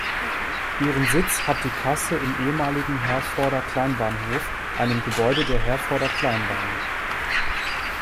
Ihren Sitz hat die Kasse im ehemaligen Herforder Kleinbahnhof, einem Gebäude der Herforder Kleinbahn.